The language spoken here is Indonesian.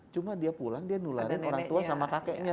cuma dia pulang dia nularin orang tua sama kakeknya